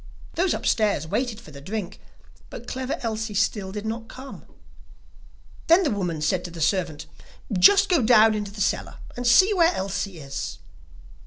Those upstairs waited for the drink, but Clever Elsie still did not come. Then the woman said to the servant: 'Just go down into the cellar and see where Elsie is.